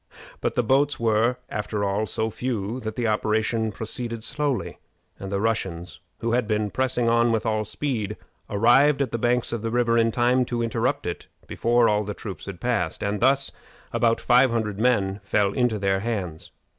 But the boats were, after all, so few that the operation proceeded slowly, and the Russians, who had been pressing on with all speed, arrived at the banks of the river in time to interrupt it before all the troops had passed, and thus about five hundred men fell into their hands.